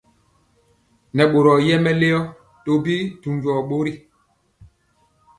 Nɛ boro yɛ melio tɔbi dujɔ bori.